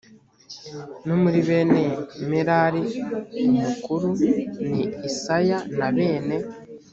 no muri bene merari umukuru ni asaya na bene